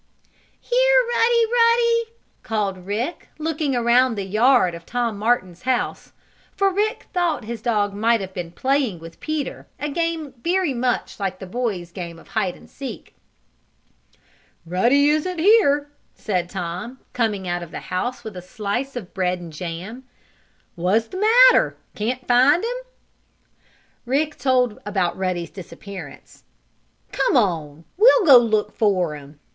"Here, Ruddy! Ruddy!" called Rick, looking around the yard of Tom Martin's house, for Rick thought his dog might have been playing with Peter a game very much like the boys' game of hide and go seek. "Ruddy isn't here," said Tom, coming out of the house with a slice of bread and jam. "What's the matter, can't you find him?" Rick told about Ruddy's disappearance. "Come on! We'll go and look for him!"